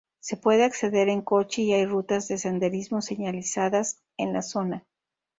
Se puede acceder en coche y hay rutas de senderismo señalizadas en la zona.